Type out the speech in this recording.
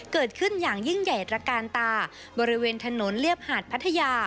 เกิดขึ้นอย่างยิ่งใหญ่ตระกาลตาบริเวณถนนเรียบหาดพัทยา